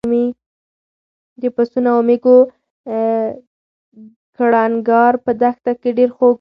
د پسونو او مېږو کړنګار په دښته کې ډېر خوږ و.